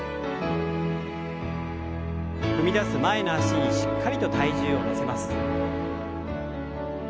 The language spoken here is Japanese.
踏み出す前の脚にしっかりと体重を乗せます。